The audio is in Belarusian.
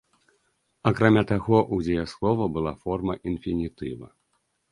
Акрамя таго, у дзеяслова была форма інфінітыва.